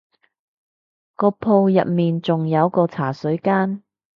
個鋪入面仲有個茶水間